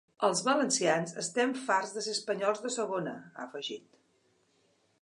Els valencians estem farts de ser espanyols de segona, ha afegit.